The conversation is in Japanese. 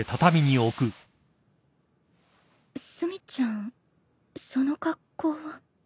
炭ちゃんその格好は。